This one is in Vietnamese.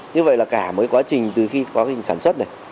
như vậy là cả mấy quá trình từ khi quá trình sản xuất này